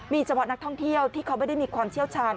มีเฉพาะนักท่องเที่ยวที่เขาไม่ได้มีความเชี่ยวชาญ